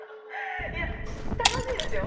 いや楽しいですよ。